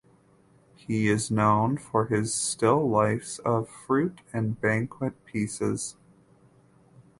He is known for his still lifes of fruit and banquet pieces.